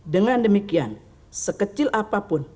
dengan demikian sekecil apapun